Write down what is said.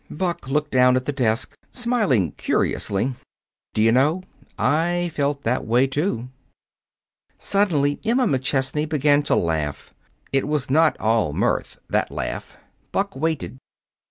Buck looked down at the desk, smiling curiously. "D'you know, I felt that way, too." Suddenly Emma McChesney began to laugh. It was not all mirth that laugh. Buck waited.